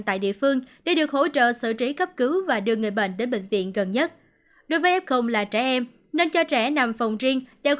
tại địa phương để được hỗ trợ xử trí cấp cứu và đưa người bệnh đến bệnh viện gần nhất